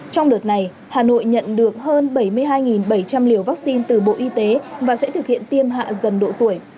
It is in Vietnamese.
trong đợt này hà nội nhận được hơn bảy mươi hai bảy trăm linh liều vaccine từ bộ y tế và sẽ thực hiện tiêm hạ dần độ tuổi